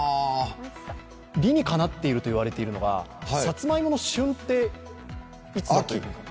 理にかなっていると言われているのがさつまいもの旬っていつだと思います？